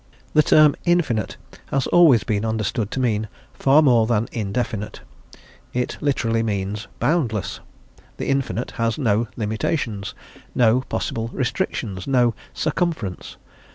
The term Infinite has always been understood to mean far more than indefinite; it means literally boundless: the infinite has no limitations, no possible restrictions, no "circumference."